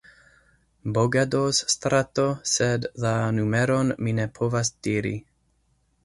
Bogadoz-strato, sed la numeron mi ne povas diri.